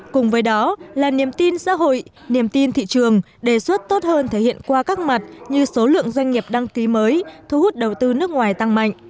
cùng với đó là niềm tin xã hội niềm tin thị trường đề xuất tốt hơn thể hiện qua các mặt như số lượng doanh nghiệp đăng ký mới thu hút đầu tư nước ngoài tăng mạnh